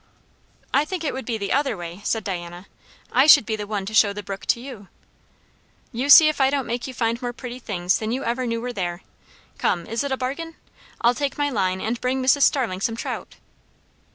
"I think it would be the other way," said Diana. "I should be the one to show the brook to you." "You see if I don't make you find more pretty things than you ever knew were there. Come! is it a bargain? I'll take my line and bring Mrs. Starling some trout."